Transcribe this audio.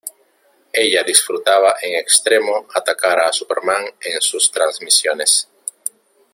Ella disfrutaba en extremo atacar a Superman en sus transmisiones.